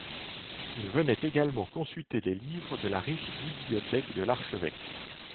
Ils venaient également consulter les livres de la riche bibliothèque de l'archevêque.